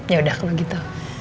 ya udah kalau gitu